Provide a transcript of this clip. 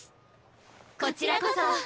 こちらこそ！